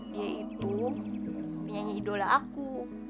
dia itu menyanyi idola aku